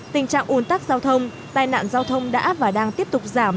tình trạng ủn tắc giao thông tai nạn giao thông đã và đang tiếp tục giảm